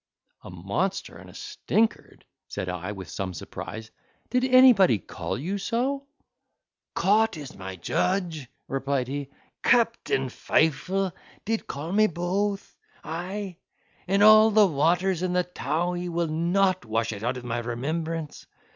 "A monster and a stinkard!" said I, with some surprise: "did anybody call you so?" "Cot is my judge," replied be, "Captain Fifle did call me both; ay, and all the waters in the Tawy will not wash it out of my remembrance.